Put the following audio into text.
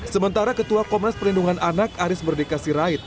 sementara ketua komnas perlindungan anak aris merdeka sirait